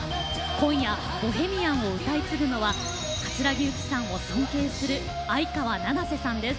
今夜「ボヘミアン」を歌い継ぐのは葛城ユキさんを尊敬する相川七瀬さんです。